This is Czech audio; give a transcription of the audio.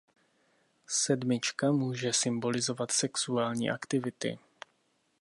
Sedmička může symbolizovat sexuální aktivity.